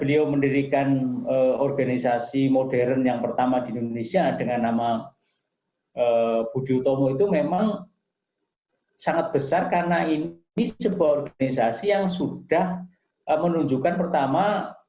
ini adalah organisasi yang sudah menunjukkan pertama